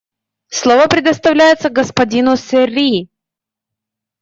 Слово предоставляется господину Серри.